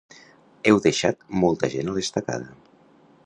Heu deixat molta gent a l’estacada